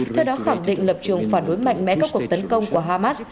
theo đó khẳng định lập trường phản đối mạnh mẽ các cuộc tấn công của hamas